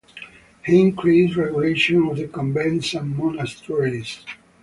He increased regulation of the convents and monasteries.